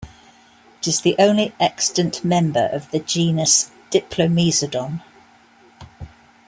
It is the only extant member of the genus Diplomesodon.